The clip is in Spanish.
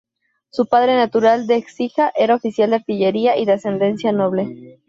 Su padre, natural de Écija, era oficial de artillería y de ascendencia noble.